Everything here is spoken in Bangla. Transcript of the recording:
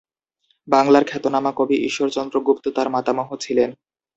বাংলার খ্যাতনামা কবি ঈশ্বরচন্দ্র গুপ্ত তার মাতামহ ছিলেন।